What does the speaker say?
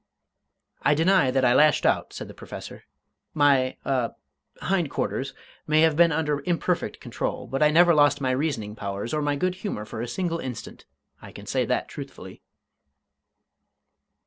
"I deny that I lashed out!" said the Professor. "My a hind quarters may have been under imperfect control but I never lost my reasoning powers or my good humour for a single instant. I can say that truthfully."